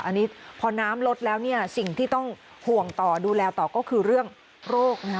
อันนี้พอน้ำลดแล้วเนี่ยสิ่งที่ต้องห่วงต่อดูแลต่อก็คือเรื่องโรคนะฮะ